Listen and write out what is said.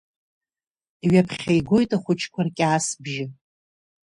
Ҩаԥхьа игоит ахәыҷқәа ркьаасбжьы.